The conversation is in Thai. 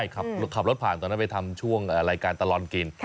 ขับรถผ่านตอนนั้นไปทำช่วงรายการตลอดกิน